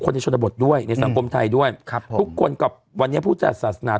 คนในชนบทด้วยในสังคมไทยด้วยทุกคนกับวันนี้พิษัศหาสนา